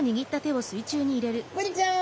ブリちゃん！